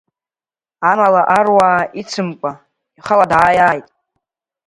Амала аруаа ицымкәа, ихала дааиааит…